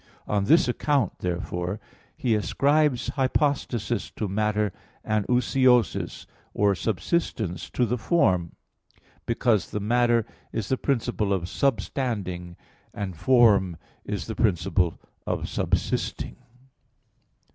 On this account, therefore, he ascribes hypostasis to matter, and ousiosis, or subsistence, to the form, because the matter is the principle of substanding, and form is the principle of subsisting.